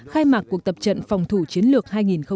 khai mạc cuộc tập trận phòng thủ chiến lược hai nghìn một mươi chín